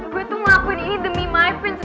gue tuh ngelakuin ini demi my fins